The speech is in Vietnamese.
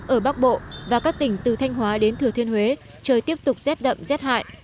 ở bắc bộ và các tỉnh từ thanh hóa đến thừa thiên huế trời tiếp tục rét đậm rét hại